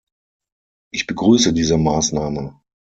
Ich begrüße diese Maßnahme.